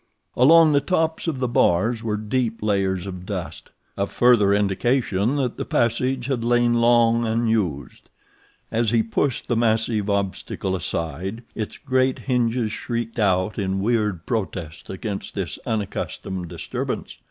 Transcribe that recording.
Along the tops of the bars were deep layers of dust—a further indication that the passage had lain long unused. As he pushed the massive obstacle aside, its great hinges shrieked out in weird protest against this unaccustomed disturbance.